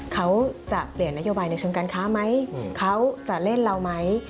เขาจะเปลี่ยนนโยบายในชั้นการค้าไหม